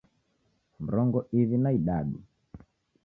Mrongo iw'i na idadu